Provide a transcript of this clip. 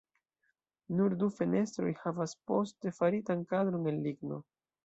Nur du fenestroj havas poste faritan kadron el ligno.